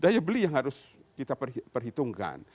ini yang harus kita perhitungkan